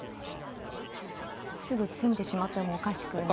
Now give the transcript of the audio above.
すぐ詰んでしまってもおかしくない。